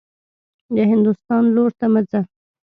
د هندوستان لور ته مه ځه.